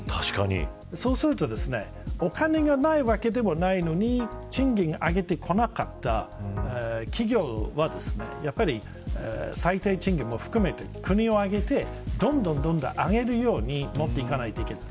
そうするとお金がないわけでもないのに賃金を上げてこなかった企業は、最低賃金も含めて国を挙げてどんどん上げるように持っていかないといけません。